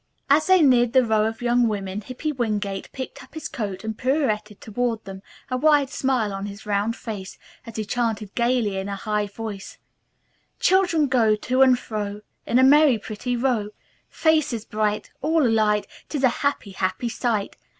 As they neared the row of young women Hippy Wingate picked up his coat and pirouetted toward them, a wide smile on his round face, as he chanted gayly in a high voice: "Children go, to and fro In a merry pretty row; Faces bright, all alight, 'Tis a happy, happy sight.